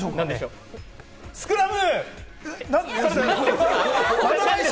スクラム！